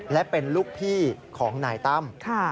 และเป็นลูกพี่ของนายตั้ม